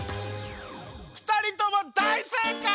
ふたりともだいせいかい！